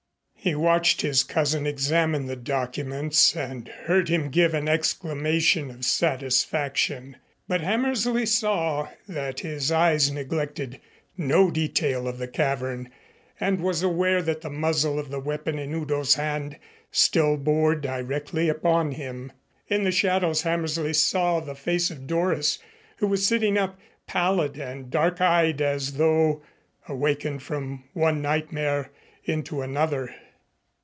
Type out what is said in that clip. He watched his cousin examine the documents and heard him give an exclamation of satisfaction, but Hammersley saw that his eyes neglected no detail of the cavern and was aware that the muzzle of the weapon in Udo's hand still bore directly upon him. In the shadows Hammersley saw the face of Doris, who was sitting up, pallid and dark eyed as though awakened from one nightmare into another.